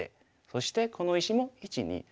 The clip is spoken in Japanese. そしてこの石も１２３手。